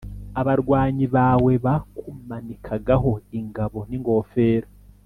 abarwanyi bawe bakumanikagaho ingabo n ingofero